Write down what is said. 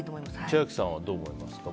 千秋さんはどう思いますか？